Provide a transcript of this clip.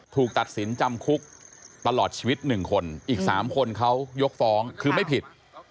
ถูกตัดสินจำคุกตลอดชีวิต๑คนอีก๓คนเขายกฟ้องคือไม่ผิด